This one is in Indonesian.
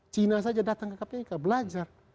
cina saja datang ke kpk belajar